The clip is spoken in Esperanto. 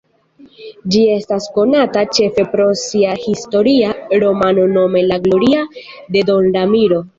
Ĝi estas konata ĉefe pro sia historia romano nome "La gloria de don Ramiro".